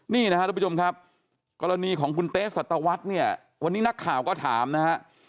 นี่นะครับกรณีของคุณเต๊ะสัตวัสดิ์เนี่ยวันนี้นักข่าวก็ถามนะ